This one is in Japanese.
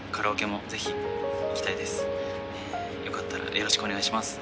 よかったらよろしくお願いします。